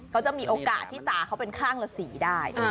เขาจะมีโอกาสที่ตาเขาเป็นข้างละสีได้